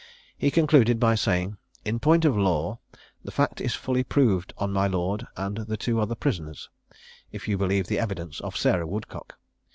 He concluded by saying, "In point of law, the fact is fully proved on my lord and the two other prisoners, if you believe the evidence of Sarah Woodcock.